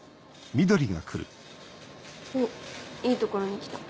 おっいいところに来た。